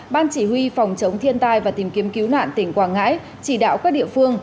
ban chỉ huy phòng chống thiên tai và tìm kiếm cứu nạn tỉnh quảng ngãi chỉ đạo các địa phương